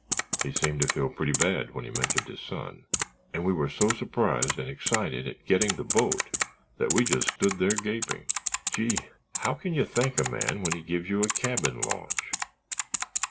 He seemed to feel pretty bad when he mentioned his son and we were so surprised and excited at getting the boat that we just stood there gaping. Gee, how can you thank a man when he gives you a cabin launch?"